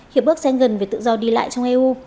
hiệp ước sang gần về tự do đi lại trong eu